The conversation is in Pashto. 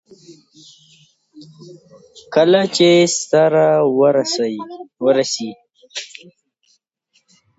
سنگ مرمر د افغانستان د ښاري پراختیا سبب کېږي.